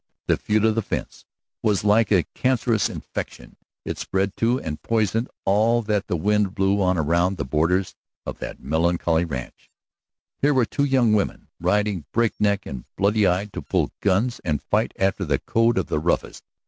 The feud of the fence was like a cancerous infection. It spread to and poisoned all that the wind blew on around the borders of that melancholy ranch. Here were these two women riding break neck and bloody eyed to pull guns and fight after the code of the roughest.